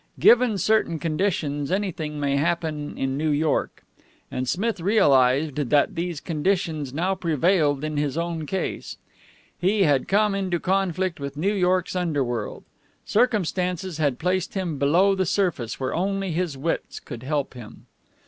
Given certain conditions, anything may happen in New York. And Smith realized that these conditions now prevailed in his own case. He had come into conflict with New York's underworld. Circumstances had placed him below the surface, where only his wits could help him.